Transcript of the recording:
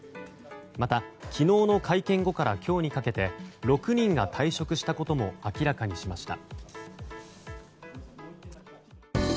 また、昨日の会見後から今日にかけて６人が退職したことも明らかにしました。